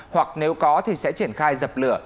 hoặc nếu có thì sẽ triển khai dập lửa